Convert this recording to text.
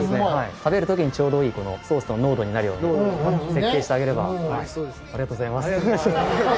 食べる時にちょうどいいソースの濃度になるように設定してあげれば。